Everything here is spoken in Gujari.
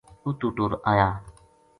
اُتو ٹُر آیا